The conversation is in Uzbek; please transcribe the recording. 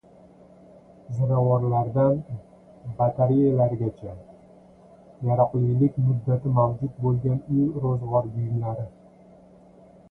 Ziravorlardan batareyalargacha: yaroqlilik muddati mavjud bo‘lgan uy-ro‘zg‘or buyumlari